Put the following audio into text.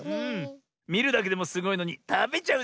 みるだけでもすごいのにたべちゃうなんてね！